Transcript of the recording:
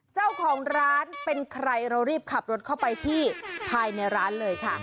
เจ้าของร้านเป็นใครเรารีบขับรถเข้าไปที่ภายในร้านเลยค่ะ